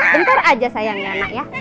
bentar aja sayang ya anak ya